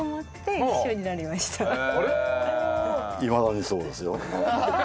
いまだにそうですよ。